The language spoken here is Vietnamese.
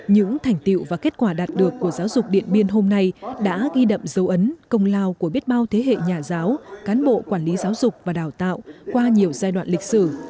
những thành tiệu và kết quả đạt được của giáo dục điện biên hôm nay đã ghi đậm dấu ấn công lao của biết bao thế hệ nhà giáo cán bộ quản lý giáo dục và đào tạo qua nhiều giai đoạn lịch sử